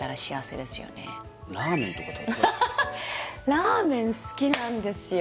ラーメン好きなんですよ